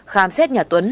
khám xét nhà tuấn